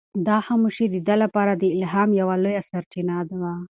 دا خاموشي د ده لپاره د الهام یوه لویه سرچینه وه.